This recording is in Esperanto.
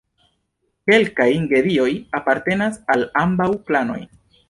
Kelkaj gedioj apartenas al ambaŭ klanoj.